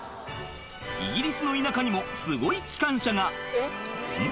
イギリスの田舎にもすごい機関車がうん？